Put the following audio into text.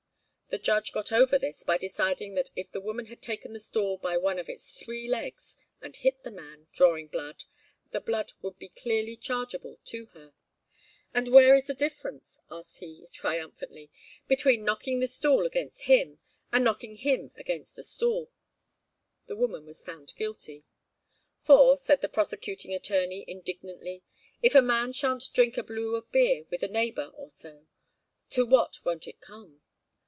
The judge got over this by deciding that if the woman had taken the stool by one of its three legs, and hit the man, drawing blood, the blood would be clearly chargeable to her. 'And where is the difference,' asked he, triumphantly, 'between knocking the stool against him, and knocking him against the stool?' The woman was found guilty. 'For,' said the prosecuting attorney indignantly, 'if a man shan't drink a blue of beer with a neighbour or so, to what won't it come?'